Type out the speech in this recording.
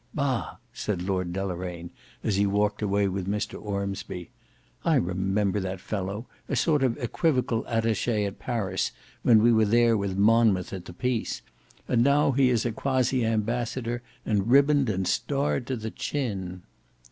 "Bah!" said Lord Deloraine as he walked away with Mr Ormsby. "I remember that fellow—a sort of equivocal attache at Paris, when we were there with Monmouth at the peace: and now he is a quasi ambassador, and ribboned and starred to the chin."